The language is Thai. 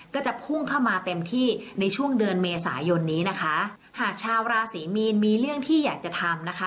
ก็จะพุ่งเข้ามาเต็มที่ในช่วงเดือนเมษายนนี้นะคะหากชาวราศรีมีนมีเรื่องที่อยากจะทำนะคะ